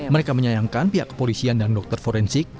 mereka menyayangkan pihak kepolisian dan dokter forensik